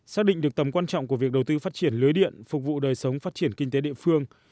xác định được tầm quan trọng của việc đầu tư phát triển lưới điện phục vụ đời sống phát triển kinh tế địa phương